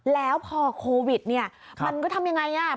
แล้วพอโควิดเนี่ยมันก็ทำยังไงอ่ะ